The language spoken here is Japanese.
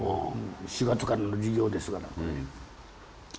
４月からの授業ですがなこれ。